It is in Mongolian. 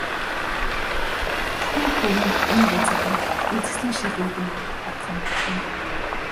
Охин хөвүүн өнгө үзэгдэн, үзэсгэлэн шилэгдэн одох нь энэ.